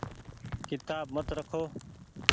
ڪيتآب مت رکو۔